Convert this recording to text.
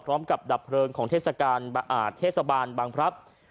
พร้อมกับดับเพลิงของเทศกาลเทศบาลบางพรับ